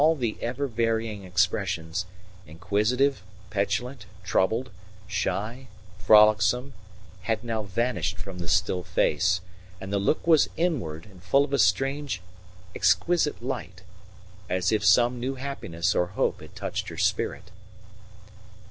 All the ever varying expressions inquisitive, petulant, troubled, shy, frolicsome had now vanished from the still face, and the look was inward and full of a strange, exquisite light, as if some new happiness or hope had touched her spirit.